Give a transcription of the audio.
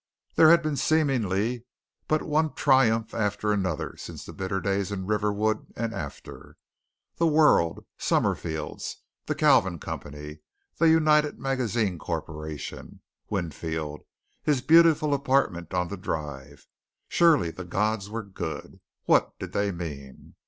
There had been seemingly but one triumph after another since the bitter days in Riverwood and after. The World, Summerfield's, The Kalvin Company, The United Magazine Corporation, Winfield, his beautiful apartment on the drive. Surely the gods were good. What did they mean?